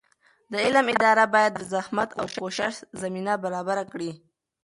د علم اداره باید د زحمت او کوشش زمینه برابره کړي.